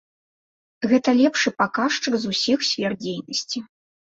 Гэта лепшы паказчык з усіх сфер дзейнасці.